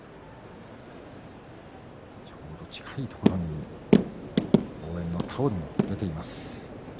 ちょうど近いところに応援のタオルも出ています。